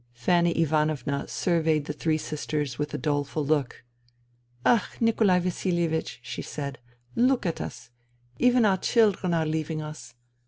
'* Fanny Ivanovna surveyed the three sisters with a doleful look. " Ach, Nikolai Vasilievich !" she said. " Look at us ! Even our children are leaving us.